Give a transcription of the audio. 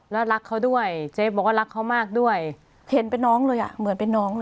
แล้วรักเขาด้วยเจ๊บอกว่ารักเขามากด้วยเห็นเป็นน้องเลยอ่ะ